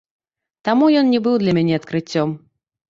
Таму ён не быў для мяне адкрыццём.